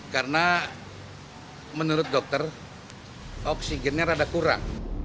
karena menurut dokter oksigennya rada kurang